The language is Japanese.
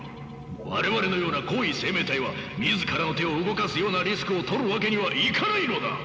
我々のような高位生命体は自らの手を動かすようなリスクをとるわけにはいかないのだ！